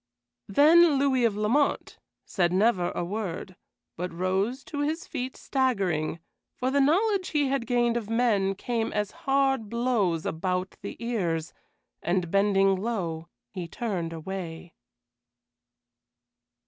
Then Louis of Lamont said never a word, but rose to his feet staggering, for the knowledge he had gained of men came as hard blows about the ears, and bending low, he turned away.